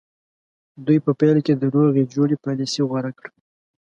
دوی په پیل کې د روغې جوړې پالیسي غوره کړه.